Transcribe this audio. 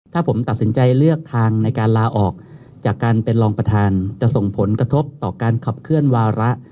ถ้าผมตัดสินใจเลือกทางในการลาออกจากการเป็นรองประธานจะส่งผลกระทบต่อการขับเคลื่อนวาระ